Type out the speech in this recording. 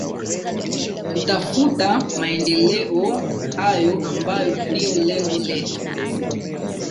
kutafuta maendeleo hayo ambayo ndio lengo letu